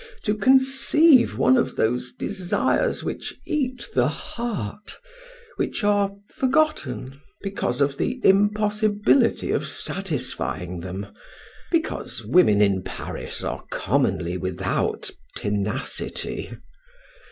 to conceive one of those desires which eat the heart, which are forgotten because of the impossibility of satisfying them, because women in Paris are commonly without tenacity.